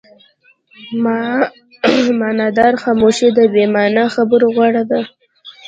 معناداره خاموشي د بې معنا خبرو غوره ده.